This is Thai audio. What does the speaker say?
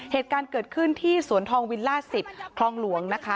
เหตุการณ์เกิดขึ้นที่สวนทองวิลล่า๑๐คลองหลวงนะคะ